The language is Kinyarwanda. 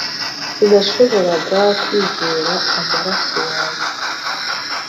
sinashoboraga kwizera amaso yanjye